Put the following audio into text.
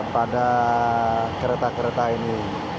pada kereta kereta ini